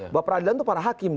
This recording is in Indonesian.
bahwa peradilan itu para hakim